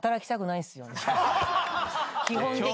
基本的には！